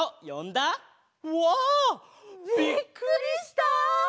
うわ！びっくりした！